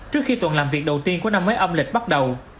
trước khi tuần làm việc đầu tiên của năm mới âm lịch bắt đầu